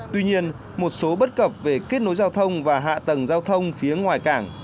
tuy nhiên một số bất cập về kết nối giao thông và hạ tầng giao thông phía ngoài cảng